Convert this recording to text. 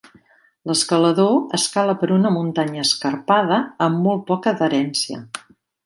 L'escalador escala per una muntanya escarpada amb molt poca adherència.